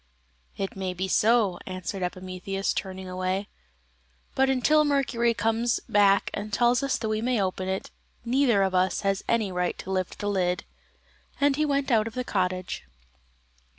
"It may be so," answered Epimetheus, turning away; "but until Mercury comes back and tells us that we may open it, neither of us has any right to lift the lid;" and he went out of the cottage.